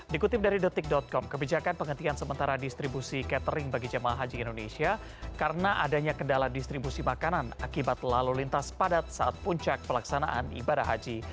dikutip dari detik com kebijakan penghentian sementara distribusi catering bagi jemaah haji indonesia karena adanya kendala distribusi makanan akibat lalu lintas padat saat puncak pelaksanaan ibadah haji